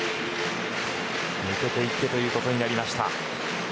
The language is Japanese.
抜けていってということになりました。